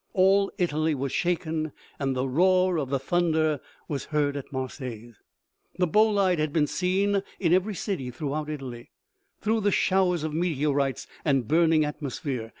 All Italy was shaken, and the roar of the thunder was heard at Marseilles." The bolide had been seen in every city throughout Italy, through the showers of meteorites and the burning at mosphere.